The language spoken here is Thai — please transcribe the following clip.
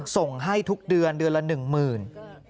ส่งให้ทุกเดือนเดือนละหนึ่งหมื่น